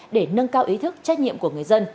để nâng cao ý thức trách nhiệm của người dân